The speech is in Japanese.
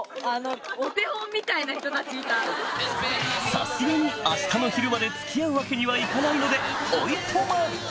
さすがにあしたの昼まで付き合うわけにはいかないのでおいとま！